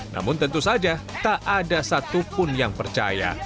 namun tentu saja tak ada satupun yang percaya